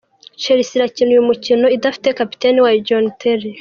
Chelsea irakina uyu mukino idafite kapiteni wayo John Terry.